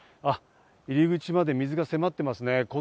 入り口まで水が迫ってますね。